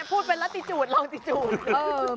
พูดไปแล้วติจูดลองติจูด